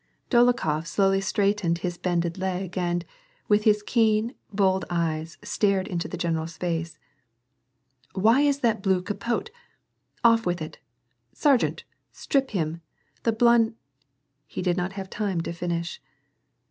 Dolokhof slowly straightened his bended leg, and, with his keen, bold eyes, stared into the general's face. " Why that blue capote ? Off with it ! Sergeant ! strip him. The blun "— He did not have time to finish.